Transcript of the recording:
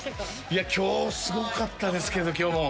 いや今日すごかったですけど今日も。